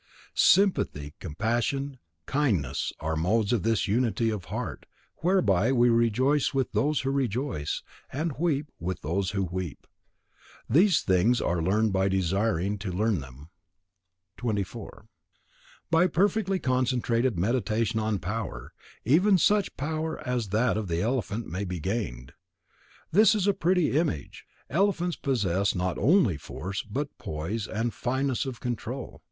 Sympathy, compassion, kindness are modes of this unity of heart, whereby we rejoice with those who rejoice, and weep with those who weep. These things are learned by desiring to learn them. 24. By perfectly concentrated Meditation on power, even such power as that of the elephant may be gained. This is a pretty image. Elephants possess not only force, but poise and fineness of control.